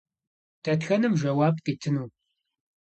Дэтхэнэм жэуап къитыну?